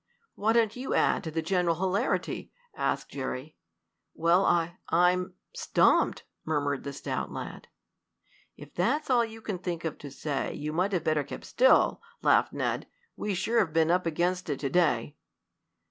"Why don't you add to the general hilarity?" asked Jerry. "Well, I I'm stumped!" murmured the stout lad. "If that's all you can think of to say you might better have kept still," laughed Ned. "We sure have been up against it to day!"